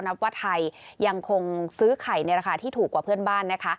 นับว่าไทยยังคงซื้อไข่ในราคาที่ถูกกว่าเพื่อนบ้านนะคะ